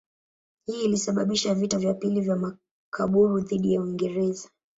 Hii ilisababisha vita vya pili vya Makaburu dhidi ya Uingereza.